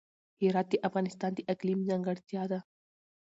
هرات د افغانستان د اقلیم ځانګړتیا ده.